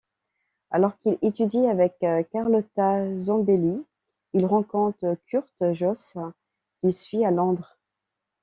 Alors qu'il étudie avec Carlotta Zambelli, il rencontre Kurt Jooss qu'il suit à Londres.